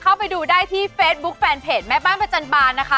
เข้าไปดูได้ที่เฟซบุ๊คแฟนเพจแม่บ้านประจันบาลนะคะ